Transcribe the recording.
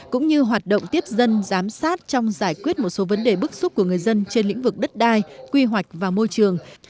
cũng như hoạt động tiếp dân giám sát trong giải quyết một số vấn đề bức xúc của người dân trên lĩnh vực đất đai quy hoạch và môi trường